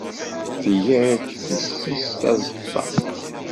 Tga-d tisist azeṭṭa.